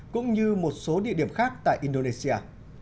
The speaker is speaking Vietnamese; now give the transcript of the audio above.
cũng như một số địa điểm khác tại indonesia